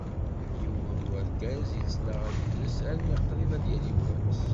Yiwen n urgaz ittnaɣ yid-s armi qrib ad yali wass.